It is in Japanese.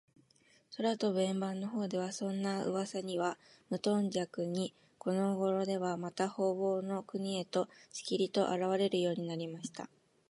空とぶ円盤のほうでは、そんなうわさにはむとんじゃくに、このごろでは、また、ほうぼうの国へと、しきりと、あらわれるようになりました。